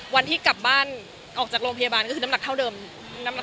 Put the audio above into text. วันที่กลับบ้านออกจากโรงพยาบาลก็คือน้ำหนักเท่าเดิม